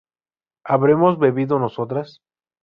¿habremos bebido nosotras?